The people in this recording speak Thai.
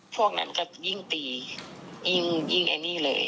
พวกนั้นก็ยิ่งตียิ่งไอ้นี่เลย